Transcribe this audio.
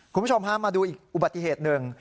คุณผู้ชมฮะมาดูอีกอุบัติเหตุหนึ่ง